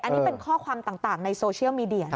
อันนี้เป็นข้อความต่างในโซเชียลมีเดีย